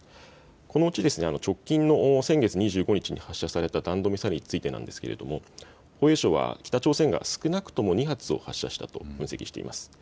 このうち直近の先月２５日に発射された弾道ミサイルについて防衛省は北朝鮮が少なくとも２発を発射したと分析しています。